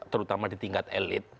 terutama di tingkat elit